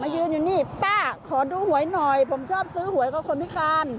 ยืนอยู่นี่ป้าขอดูหวยหน่อยผมชอบซื้อหวยกับคนพิการ